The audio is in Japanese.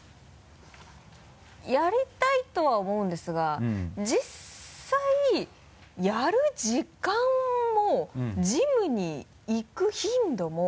やりたいとは思うんですが実際やる時間もジムに行く頻度も。